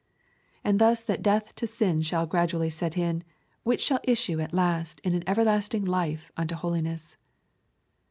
And thus that death to sin shall gradually set in which shall issue at last in an everlasting life unto holiness.